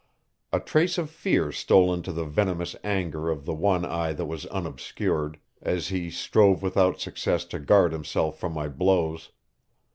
A trace of fear stole into the venomous anger of the one eye that was unobscured, as he strove without success to guard himself from my blows.